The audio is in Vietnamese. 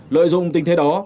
lợi dụng tình thế đó